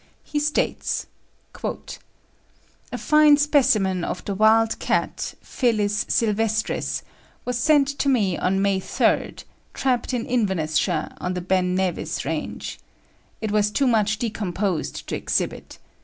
He states: "A fine specimen of the wild cat (Felis sylvestris) was sent to me on May 3rd, trapped in Inverness shire on the Ben Nevis range. It was too much decomposed to exhibit.